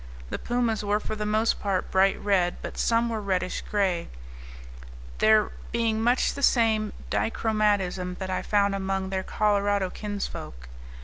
The pumas were for the most part bright red, but some were reddish gray, there being much the same dichromatism that I found among their Colorado kinsfolk.